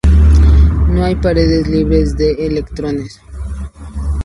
No hay pares libres de electrones.